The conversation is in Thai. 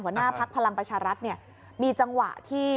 หัวหน้าภักดิ์พลังประชารัฐมีจังหวะที่